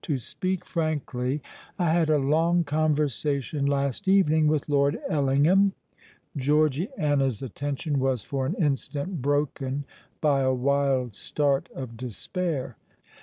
To speak frankly, I had a long conversation last evening with Lord Ellingham——" Georgiana's attention was for an instant broken by a wild start of despair.